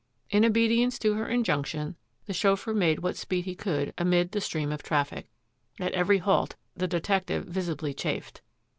In obedience to her injunction the chauffeur made what speed he could amid the stream of traffic. At every halt the detective visibly chafed.